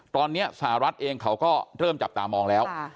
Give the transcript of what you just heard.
ตอนนี้สหรัฐเองเขาก็เริ่มจับตามองแล้ว